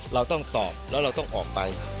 เราต้องตอบแล้วเราต้องออกไป